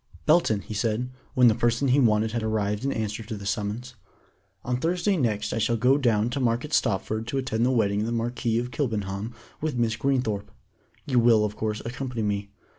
"Belton," he said, when the person he wanted had arrived in answer to the summons, "on Thursday next I shall go down to Market Stopford to attend the wedding of the Marquis of Kilbenham with Miss Greenthorpe. You will, of course, accompany me.